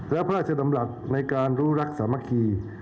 และพระราชดำรัฐในการรู้รักสามัคคี